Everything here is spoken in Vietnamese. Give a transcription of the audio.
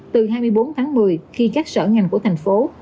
từ hai mươi bốn tháng một mươi khi các sở ngành của thành phố